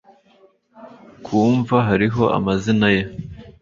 Ku mva hariho amazina ye